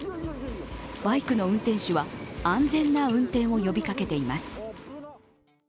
バイクの運転手は安全な運転を呼びかけています。